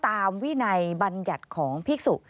วินัยบัญญัติของภิกษุ